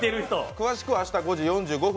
詳しくは明日５時４５分